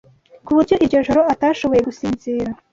ku buryo iryo joro atashoboye gusinzira